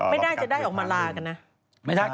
ไม่ได้จะได้ออกมาลากันนะ